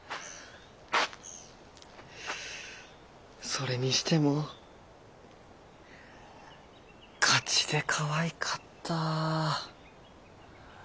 それにしてもガチでかわいかった。